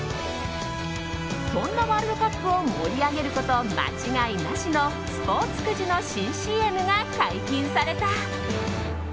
そんなワールドカップを盛り上げること間違いなしのスポーツくじの新ＣＭが解禁された。